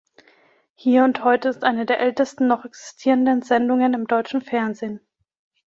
Hier und heute ist eine der ältesten noch existierenden Sendungen im deutschen Fernsehen.